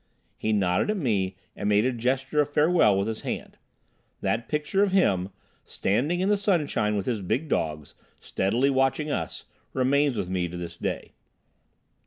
He nodded at me and made a gesture of farewell with his hand. That picture of him, standing in the sunshine with his big dogs, steadily watching us, remains with me to this day.